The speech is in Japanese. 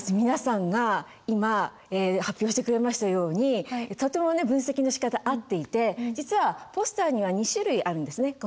皆さんが今発表してくれましたようにとってもね分析のしかた合っていて実はポスターには２種類あるんですね。